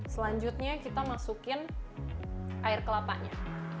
selanjutnya kita masukin air kelapanya